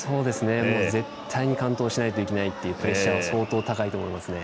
絶対に完登しなくちゃいけないっていうプレッシャーは相当、高いと思いますね。